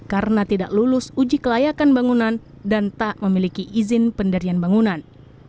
karena tidak lulus uji kelayakan bangunan dan tak memiliki izin penderian bangunan